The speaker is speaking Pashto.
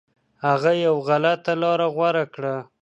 هغه یو غلطه لاره غوره کړه.